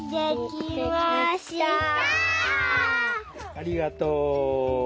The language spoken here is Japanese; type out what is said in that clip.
ありがとう！